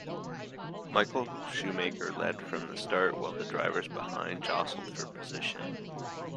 Michael Schumacher led from the start while drivers behind jostled for position.